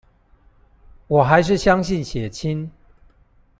我還是相信血親